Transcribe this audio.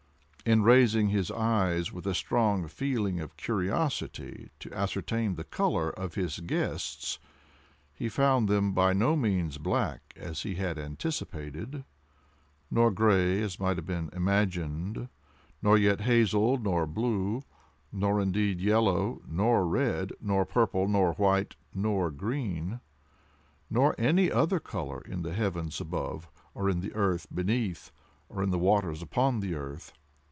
In raising his eyes, with a strong feeling of curiosity to ascertain the color of his guest's, he found them by no means black, as he had anticipated—nor gray, as might have been imagined—nor yet hazel nor blue—nor indeed yellow nor red—nor purple—nor white—nor green—nor any other color in the heavens above, or in the earth beneath, or in the waters under the earth.